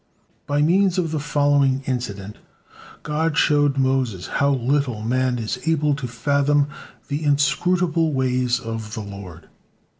By means of the following incident God showed Moses how little man is able to fathom the inscrutable ways of the Lord.